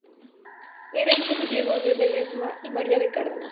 Era hijo de Diego de Ledesma y María de Cárdenas.